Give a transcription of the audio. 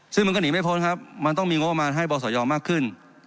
ซึ่งมันก็หนีไม่พ้นครับมันต้องมีงบประมาณให้บสยอมากขึ้น